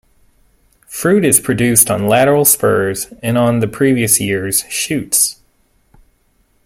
Fruit is produced on lateral spurs and on the previous year's shoots.